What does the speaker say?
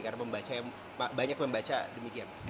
karena banyak membaca demikian